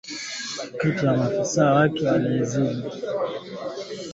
katika nafasi nzuri zaidi kuwa mwenyeji wa taasisi hiyo ikipewa asilimia themanini na sita